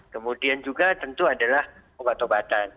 kemudian juga tentu adalah obat obatan